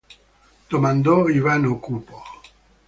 Domandò Ivano, cupo.